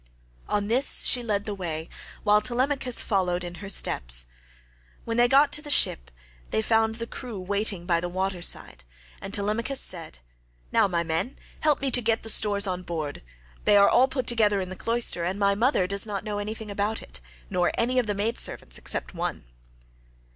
On this she led the way, while Telemachus followed in her steps. When they got to the ship they found the crew waiting by the water side, and Telemachus said, "Now my men, help me to get the stores on board; they are all put together in the cloister, and my mother does not know anything about it, nor any of the maid servants except one."